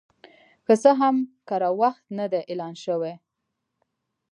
که څه هم کره وخت نه دی اعلان شوی